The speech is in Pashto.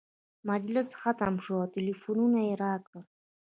مجلس ختم شو او ټلفونونه یې راکړل.